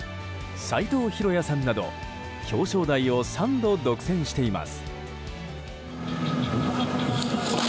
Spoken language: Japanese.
斎藤浩哉さんなど表彰台を３度独占しています。